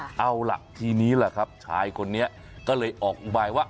เอาล่ะทีนี้แหละครับชายคนนี้ก็เลยออกอุบายว่า